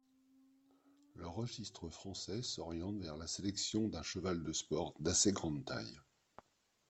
Le registre français s'oriente vers la sélection d'un cheval de sport, d'assez grande taille.